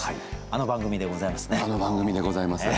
あの番組でございます。